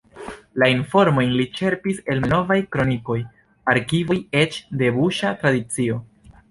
La informojn li ĉerpis el malnovaj kronikoj, arkivoj, eĉ de buŝa tradicio.